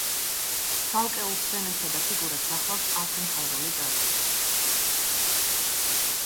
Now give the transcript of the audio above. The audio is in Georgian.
ცალკეულ სცენებსა და ფიგურებს ახლავს ასომთავრული წარწერები.